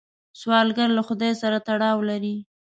سوالګر له خدای سره تړاو لري